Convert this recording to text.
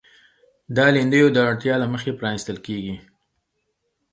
دا لیندیو د اړتیا له مخې پرانیستل کېږي.